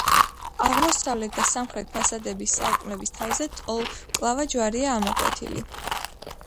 აღმოსავლეთ და სამხრეთ ფასადების სარკმლების თავზე ტოლმკლავა ჯვარია ამოკვეთილი.